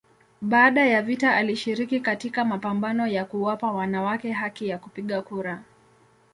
Baada ya vita alishiriki katika mapambano ya kuwapa wanawake haki ya kupiga kura.